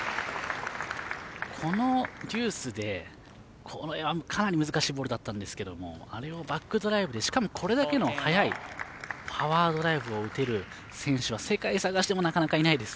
このデュースでこれはかなり難しいボールだったんですけどあれをバックドライブでしかもこれだけの速いパワードライブを打てる選手は世界探してもなかなか、いないです。